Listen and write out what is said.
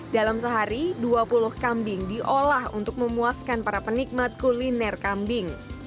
dalam sehari dua puluh kambing diolah untuk memuaskan para penikmat kuliner kambing